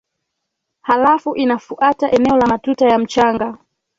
halafu inafuata eneo la matuta ya mchanga